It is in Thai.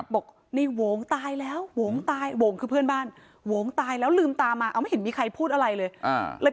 บอกในโหงตายแล้วโหงตายโหงคือเพื่อนบ้านโหงตายแล้วลืมตามาเอาไม่เห็นมีใครพูดอะไรเลย